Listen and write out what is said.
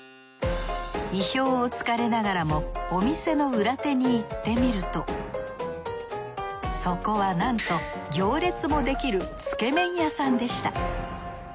意表を突かれながらもお店の裏手に行ってみるとそこはなんと行列もできるつけ麺屋さんでした。